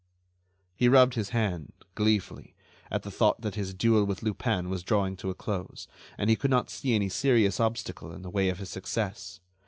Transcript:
He rubbed his hand, gleefully, at the thought that his duel with Lupin was drawing to a close, and he could not see any serious obstacle in the way of his success.